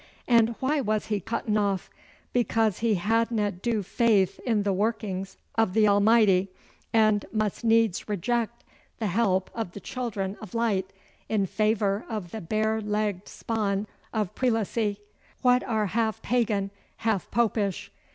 And why was he cutten off? Because he hadna due faith in the workings o' the Almighty, and must needs reject the help o' the children o' light in favour o' the bare legged spawn o' Prelacy, wha are half Pagan, half Popish.